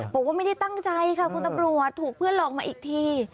บอกว่าไม่ได้ตั้งใจค่ะคุณตำรวจถูกเพื่อนหลอกมาอีกที